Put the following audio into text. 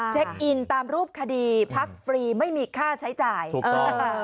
เซ็กอินตามรูปคดีพักฟรีไม่มีค่าใช้จ่ายถูกต้องเอ่อ